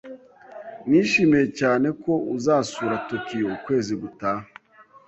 Nishimiye cyane ko uzasura Tokiyo ukwezi gutaha